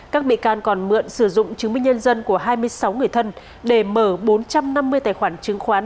các bị can còn mượn sử dụng chứng minh nhân dân của hai mươi sáu người thân để mở bốn trăm năm mươi tài khoản chứng khoán